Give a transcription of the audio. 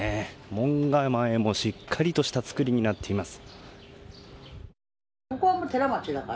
門構えもしっかりとした造りになっています。